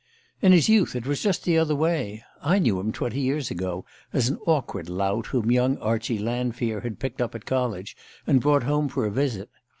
In his youth it was just the other way. I knew him twenty years ago, as an awkward lout whom young Archie Lanfear had picked up at college, and brought home for a visit.